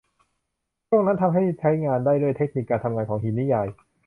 ช่วงนั้นทำให้ใช้งานได้ด้วยเทคนิคการทำงานของหินนิยาย